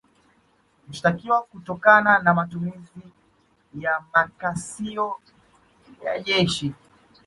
Mashtaka kutokana na matumizi ya makisio ya jeshi